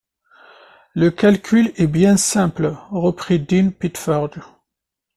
Le calcul est bien simple, reprit Dean Pitferge.